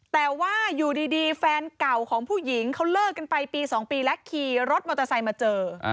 แต่ว่าอยู่ดีแฟนเก่าของผู้หญิงเขาเลิกกันไปปี๒ปีแล้วขี่รถมอเตอร์ไซค์มาเจอ